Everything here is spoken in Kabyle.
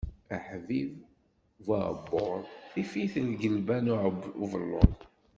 Aḥbib bu uɛebbuḍ, tif-it lgelba n ubellud.